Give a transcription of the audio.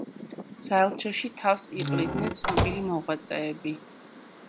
საელჩოში თავს იყრიდნენ ცნობილი მოღვაწეები.